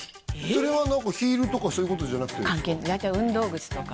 それはなんかヒールとかそういうことじゃなくてですか？